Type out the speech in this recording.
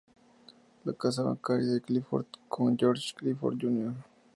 La casa bancaria de Clifford con George Clifford Jr.